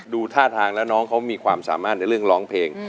ท่าทางแล้วน้องเขามีความสามารถในเรื่องร้องเพลง